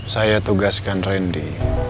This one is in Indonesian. saya tugaskan randy